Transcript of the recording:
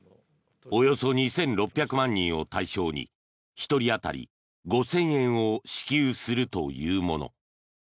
およそ２６００万人を対象に１人当たり５０００円を支給するというもの。